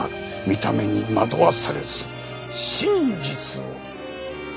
見た目に惑わされず真実を見極めろ。